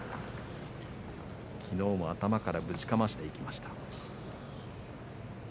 きのうも頭からぶちかましていきました。